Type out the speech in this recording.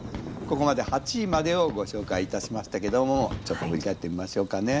ここまで８位までをご紹介いたしましたけどもちょっと振り返ってみましょうかね。